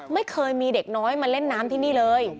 ไม่เคยมีเด็กน้อยมาเล่นน้ำที่นี่เลย